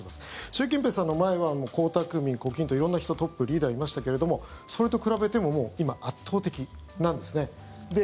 習近平さんの前は江沢民、胡錦涛色んな人トップ、リーダーいましたけどもそれと比べてももう今、圧倒的なんですね。